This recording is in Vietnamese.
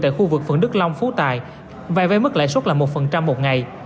tại khu vực phần đức long phú tài vay vay mức lãi suất là một một ngày